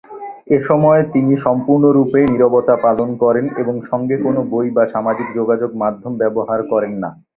এসময় তিনি সম্পূর্ণরূপে নীরবতা পালন করেন এবং সঙ্গে কোন বই বা সামাজিক যোগাযোগ মাধ্যম ব্যবহার করেন না।